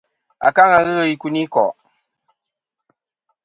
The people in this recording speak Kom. Akaŋa ghɨ i kuyniko'.